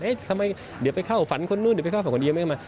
ทำไมเดี๋ยวไปเข้าฝันคนนู้นเดี๋ยวไปเข้าฝันคนเดียวไม่เข้ามา